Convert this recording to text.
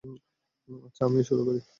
আচ্ছা, আমিই শুরু করি।